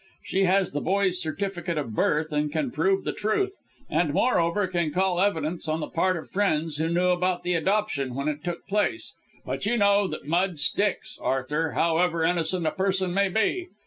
She has the boy's certificate of birth, and can prove the truth, and moreover can call evidence on the part of friends who knew about the adoption when it took place. But you know that mud sticks, Arthur, however innocent a person may be.